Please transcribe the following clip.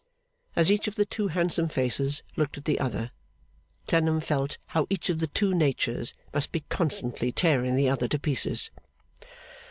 As each of the two handsome faces looked at the other, Clennam felt how each of the two natures must be constantly tearing the other to pieces.